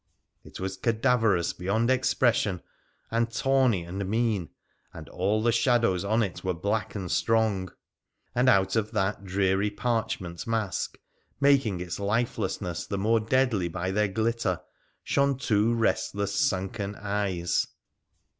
It was cadaverous beyond expression, and tawny and mean, and all the shadows on it were black and strong ; and out of that dreary parchment mask, making its lifelessness the more deadly by their glitter, shone two restless, sunken eyes.